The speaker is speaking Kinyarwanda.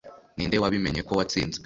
ninde wabimenya ko watsinzwe